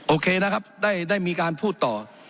โอเคนะครับได้มีการพูดต่อ